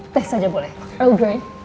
teh saja boleh